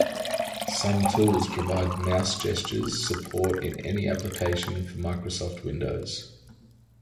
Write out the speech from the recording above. Some tools provide mouse gestures support in any application for Microsoft Windows.